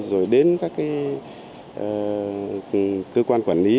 rồi đến các cơ quan quản lý